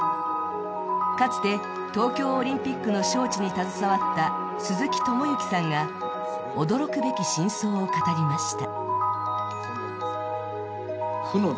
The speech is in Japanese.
かつて東京オリンピックの招致に携わった鈴木知幸さんが驚くべき真相を語りました。